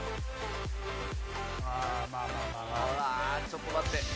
あちょっと待って。